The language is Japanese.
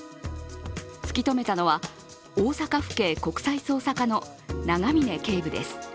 突き止めたのは大阪府警国際捜査課の永峰警部です。